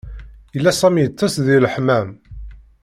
Yella sami ittes di elhmam